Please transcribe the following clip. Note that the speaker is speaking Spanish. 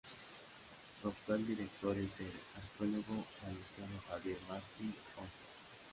Su actual director es el arqueólogo valenciano Javier Martí Oltra.